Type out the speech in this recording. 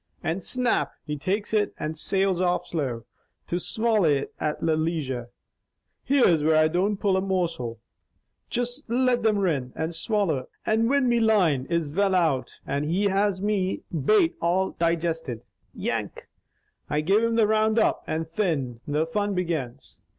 and 'snap,' he takes it and sails off slow, to swally it at leisure. Here's where I don't pull a morsel. Jist let him rin and swally, and whin me line is well out and he has me bait all digistid, 'yank,' I give him the round up, and THIN, the fun begins.